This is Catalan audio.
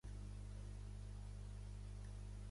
Camprodon, la millor terra del món.